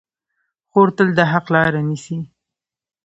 خور تل د حق لاره نیسي.